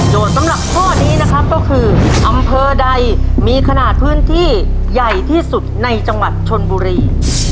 สำหรับข้อนี้นะครับก็คืออำเภอใดมีขนาดพื้นที่ใหญ่ที่สุดในจังหวัดชนบุรี